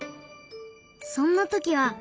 そんな時は。